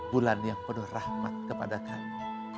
bulan yang penuh rahmat kepada kami